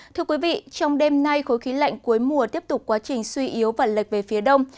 thưa quý vị trong đêm nay khối khí lạnh cuối mùa tiếp tục quá trình suy yếu và lệch về phía đông